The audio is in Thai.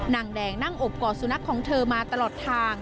นางแดงนั่งอบก่อสุนัขของเธอมาตลอดทาง